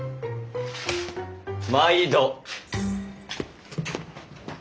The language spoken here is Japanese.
毎度。